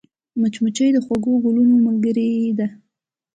مچمچۍ د خوږو ګلونو ملګرې ده